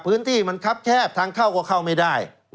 พื้นที่มันครับแคบทางเข้าก็เข้าไม่ได้